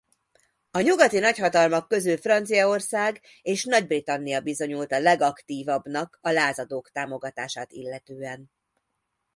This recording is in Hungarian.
A nyugati nagyhatalmak közül Franciaország és Nagy-Britannia bizonyult a legaktívabbnak a lázadók támogatását illetően.